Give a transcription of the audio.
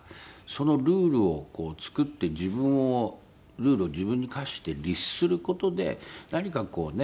ルールを作って自分をルールを自分に課して律する事で何かこうね